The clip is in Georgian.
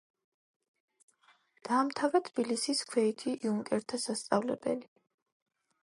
დაამთავრა თბილისის ქვეითი იუნკერთა სასწავლებელი.